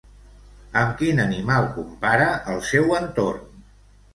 Amb quin animal compara el seu entorn?